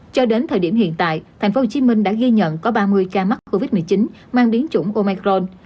cho đến thời điểm hiện tại tp hcm đã ghi nhận có ba mươi ca mắc covid một mươi chín mang đến chủng omicron